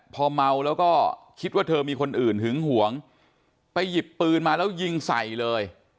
พอเมาแล้วก็คิดว่าเธอมีคนอื่นหึงหวงไปหยิบปืนมาแล้วยิงใส่เลย